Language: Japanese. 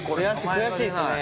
悔しいですね。